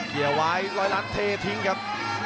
เกี่ยววายร้อยล้านเททิ้งครับ